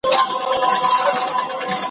عُمر مي وعدو د دروغ وخوړی `